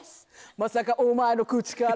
「まさかお前の口から」